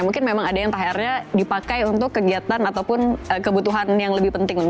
mungkin memang ada yang terakhirnya dipakai untuk kegiatan ataupun kebutuhan yang lebih penting untuk kita